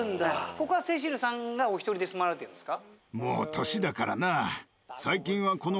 ここはセシルさんがお一人で住まわれてるんですか？